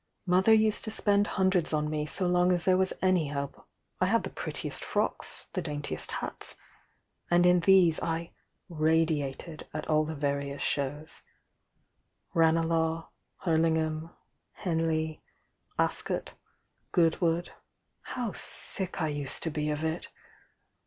Mother used to spend hundreds on me so long as there was any hope— I iiad the prettisst frocks, the daintiest hats,— and in these I 'radiated' at all the various shows,— Ranclagh, Hurlingham, Henley, Ascot, Goodwood,— how sick I used to be of it!